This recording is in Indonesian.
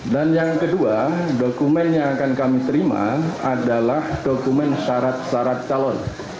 dan yang kedua dokumen yang akan kami terima adalah dokumen syarat syarat calon